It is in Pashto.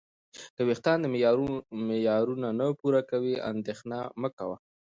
که وېښتان دې معیارونه نه پوره کوي، اندېښنه مه کوه.